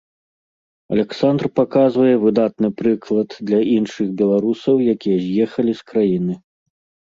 Аляксандр паказвае выдатны прыклад для іншых беларусаў, якія з'ехалі з краіны.